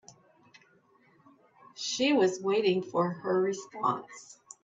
She was waiting for her response.